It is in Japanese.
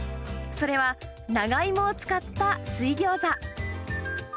それは、長芋を使った水ギョーザ。